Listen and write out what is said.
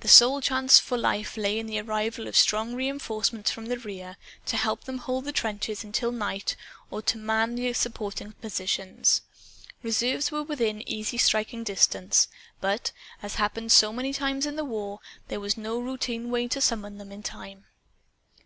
The sole chance for life lay in the arrival of strong reenforcements from the rear, to help them hold the trenches until night, or to man the supporting positions. Reserves were within easy striking distance. But, as happened so many times in the war, there was no routine way to summon them in time.